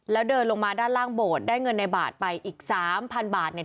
แล้วเดินลงมาด้านล่างโบสถ์ได้เงินในบาทไปอีกสามพันบาทเนี่ย